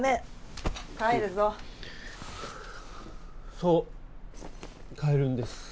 そう帰るんです。